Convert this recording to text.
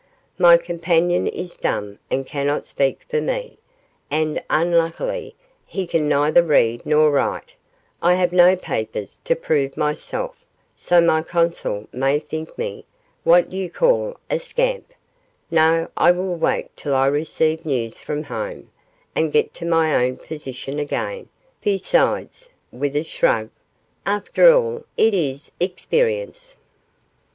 My companion is dumb and cannot speak for me, and, unluckily, he can neither read nor write. I have no papers to prove myself, so my consul may think me what you call a scamp. No; I will wait till I receive news from home, and get to my own position again; besides,' with a shrug, 'after all, it is experience.